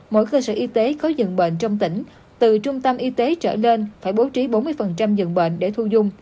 mỗi cơ sở y tế có dần bệnh trong tỉnh từ trung tâm y tế trở lên phải bố trí bốn mươi dần bệnh để thu dung